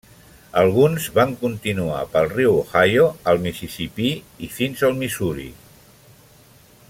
Alguns van continuar pel riu Ohio al Mississipí i fins al Missouri.